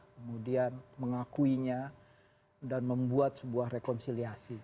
kemudian mengakuinya dan membuat sebuah rekonsiliasi